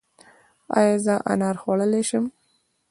ایا زه انار خوړلی شم؟